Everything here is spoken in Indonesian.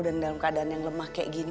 dan dalam keadaan yang lemah kayak gini